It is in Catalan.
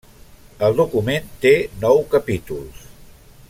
El document té nou capítols.